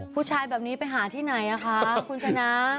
ผู้ชายแบบนี้ไปหาที่ไหนคะคุณชนะ